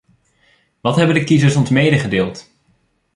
Wat hebben de kiezers ons medegedeeld?